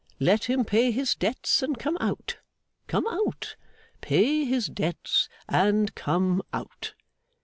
Let him pay his debts and come out, come out; pay his debts, and come out.